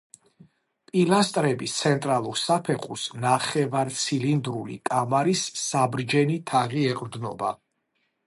პილასტრების ცენტრალურ საფეხურს, ნახევარცილინდრული კამარის საბრჯენი თაღი ეყრდნობა.